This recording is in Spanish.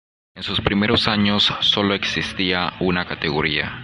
En sus primeros años sólo existía una categoría.